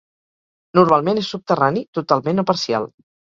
Normalment és subterrani, totalment o parcial.